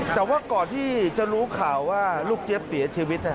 แต่ว่าก่อนที่จะรู้ข่าวว่าลูกเจี๊ยบเสียชีวิต